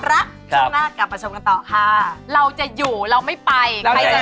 โล่งนะจับมือกันไป